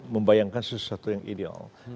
membayangkan sesuatu yang ideal